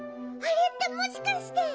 あれってもしかして。